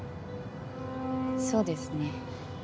そうですね。